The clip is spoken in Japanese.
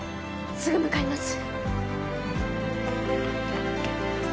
すぐ向かいます。